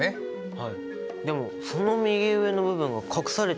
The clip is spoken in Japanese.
はい。